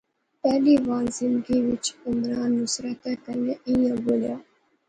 پہلی واری زندگیچ عمران نصرتا کنے ایہھاں بولیا